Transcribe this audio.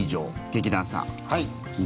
劇団さん。